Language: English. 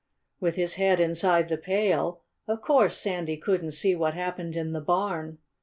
With his head inside the pail, of course Sandy couldn't see what happened in the barn.